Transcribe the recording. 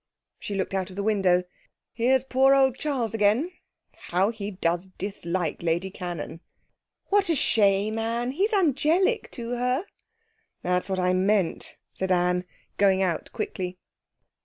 She looked out of the window. 'Here's poor old Charles again. How he does dislike Lady Cannon!' 'What a shame, Anne! He's angelic to her.' 'That's what I meant,' said Anne, going out quickly.